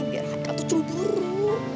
biar haka tuh cumburu